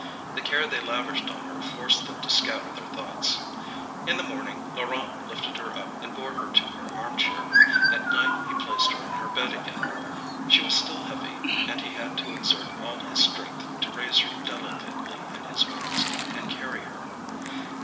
The care they lavished on her forced them to scatter their thoughts. In the morning Laurent lifted her up and bore her to her armchair; at night he placed her on her bed again. She was still heavy, and he had to exert all his strength to raise her delicately in his arms, and carry her.